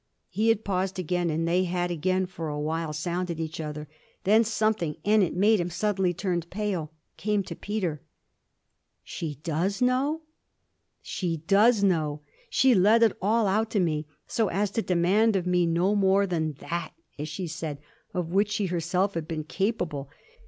He had paused again and they had again for a while sounded each other. Then something and it made him suddenly turn pale came to Peter. 'She does know?' 'She does know. She let it all out to me so as to demand of me no more than "that", as she said, of which she herself had been capable.